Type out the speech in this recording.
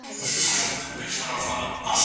ایا ملي عاید د توکو او خدماتو مجموعي ارزښت دی؟